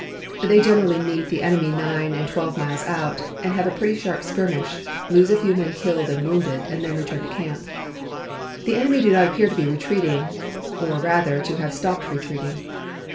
They generally meet the enemy nine and twelve miles out, have a pretty sharp skirmish, lose a few men killed and wounded, and then return to camp. The enemy do not appear to be retreating, or rather appear to have stopped retreating.